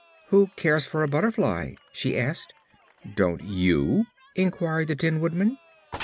"Who cares for a butterfly?" she asked. "Don't you?" inquired the Tin Woodman.